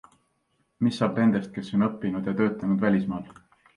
Mis saab nendest, kes on õppinud ja töötanud välismaal?